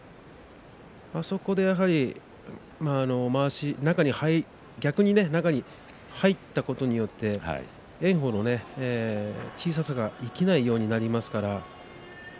そこで逆に中に入ったことによって炎鵬の小ささが生きないようになりましたね。